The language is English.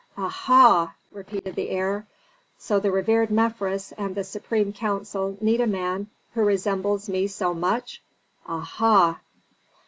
aha!" repeated the heir. "So the revered Mefres and the supreme council need a man who resembles me so much? Aha!